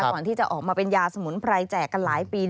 ก่อนที่จะออกมาเป็นยาสมุนไพรแจกกันหลายปี